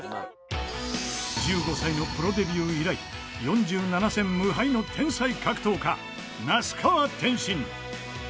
１５歳のプロデビュー以来４７戦無敗の天才格闘家那須川天心